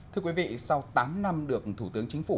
thưa quý vị sau tám năm được thủ tướng chính phủ